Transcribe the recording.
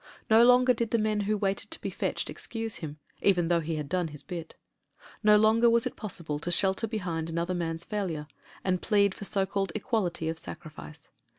No longer did the men who waited to be fetched excuse him— even though he had "done his bit" No longer was it possible to shelter behind another man's failure, and plead for so called equality of sacrifice.